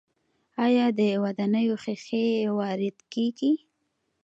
آیا د ودانیو ښیښې وارد کیږي؟